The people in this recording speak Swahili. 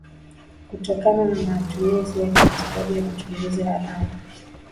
kutokana na matumizi yake kwa sababu ya matumizi haramu